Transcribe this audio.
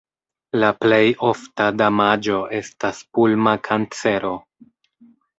La plej ofta damaĝo estas pulma kancero.